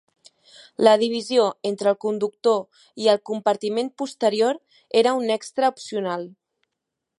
La divisió entre el conductor i el compartiment posterior era un extra opcional.